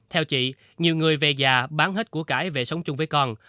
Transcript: theo chị nhiều người về già bán hết của cải về sống chung với con